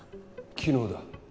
昨日だ。